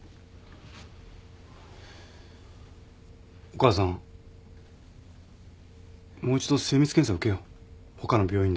お母さんもう一度精密検査受けよう他の病院で。